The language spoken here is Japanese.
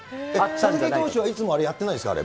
佐々木投手はいつもあれやってないですよね。